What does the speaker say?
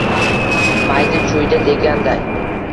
Mayda-chuyda deganday